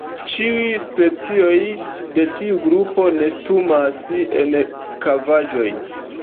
Ĉiuj specioj de tiu grupo nestumas en kavaĵoj.